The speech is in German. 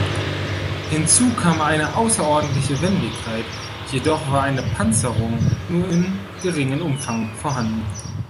Hinzu kam eine außerordentliche Wendigkeit, jedoch war eine Panzerung nur in geringem Umfang vorhanden.